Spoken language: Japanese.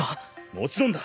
もちろんだ。